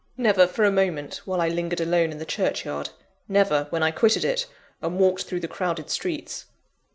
Never for a moment, while I lingered alone in the churchyard; never, when I quitted it, and walked through the crowded streets.